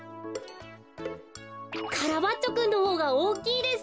カラバッチョくんのほうがおおきいです。